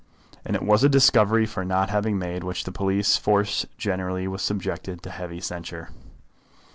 And it was a discovery for not having made which the police force generally was subjected to heavy censure.